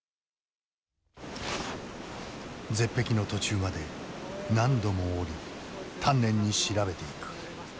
絶壁の途中まで何度も降り丹念に調べていく。